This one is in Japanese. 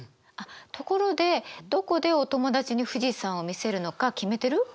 あっところでどこでお友達に富士山を見せるのか決めてる？